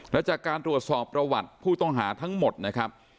และจากการตรวจสอบประวัติผู้ต้องหาทั้งหมดนะครับ